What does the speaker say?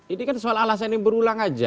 ini kan soal alasan yang berulang aja